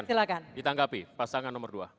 silahkan ditanggapi pasangan nomor dua